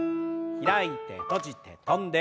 開いて閉じて跳んで。